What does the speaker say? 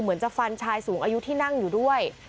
เหมือนจะฟันชายสูงอายุที่นั่งอยู่ด้วย